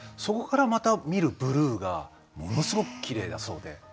そこからまた見るブルーがものすごくきれいだそうで。